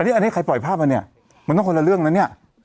อันนี้ใครปล่อยภาพมาเนี่ยมันต้องคนละเรื่องนะเนี่ย